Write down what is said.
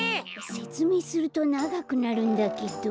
せつめいするとながくなるんだけど。